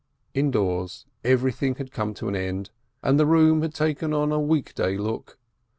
Indoors everything had come to an end, and the room had taken on a week day look.